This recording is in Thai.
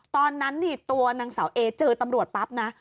ตอนนั้นนี่ตัวนางสาวเอเจอตำรวจปั๊บนะ